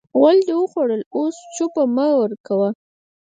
غول دې وخوړل؛ اوس چونه مه ورکوه.